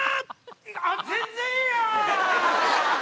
あっ全然やん！